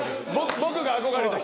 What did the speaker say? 僕が憧れた人。